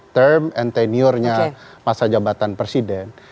term and teniornya masa jabatan presiden